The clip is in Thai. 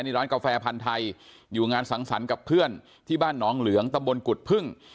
นี่ร้านกาแฟพันธุ์ไทยอยู่งานสังสรรค์กับเพื่อนที่บ้านหนองเหลืองตะบนกุฎพึ่ง